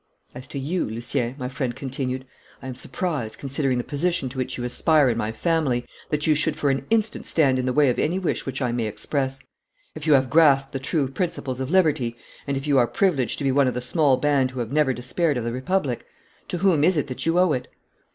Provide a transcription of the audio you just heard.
'As to you, Lucien,' my friend continued, 'I am surprised, considering the position to which you aspire in my family, that you should for an instant stand in the way of any wish which I may express. If you have grasped the true principles of liberty, and if you are privileged to be one of the small band who have never despaired of the republic, to whom is it that you owe it?'